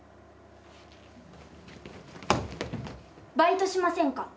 「バイトしませんか？」